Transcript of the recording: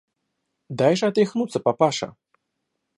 Дай же отряхнуться, папаша.